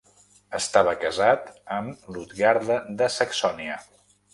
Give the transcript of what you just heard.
Estava casat amb Lutgarda de Saxònia.